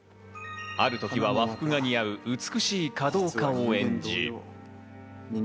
あるときは和服が似合う美しい華道家を演じ。